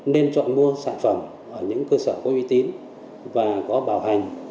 nên chọn mua sản phẩm ở những cơ sở có uy tín và có bảo hành